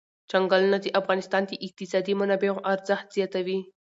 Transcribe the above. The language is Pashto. چنګلونه د افغانستان د اقتصادي منابعو ارزښت زیاتوي.